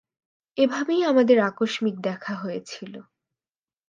এভাবেই আমাদের আকস্মিক দেখা হয়েছিল।